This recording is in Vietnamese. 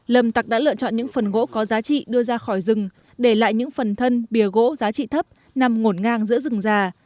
lâm tạc đã lựa chọn những phần gỗ có giá trị đưa ra khỏi rừng để lại những phần thân bìa gỗ giá trị thấp nằm ngổn ngang giữa rừng già